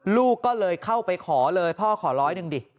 ลูกก็เลยเข้าไปขอเลยพ่อขอร้อยหนึ่งดิ